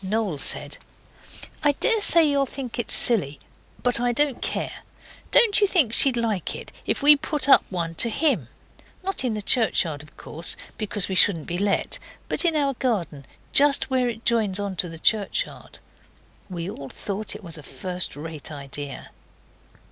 Noel said, 'I daresay you'll think it's silly, but I don't care. Don't you think she'd like it, if we put one up to HIM? Not in the churchyard, of course, because we shouldn't be let, but in our garden, just where it joins on to the churchyard?' And we all thought it was a first rate idea.